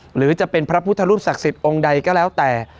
หรือจะเป็นพระพุทธรูปศักดิ์สิทธิ์องค์ใดก็แล้วแต่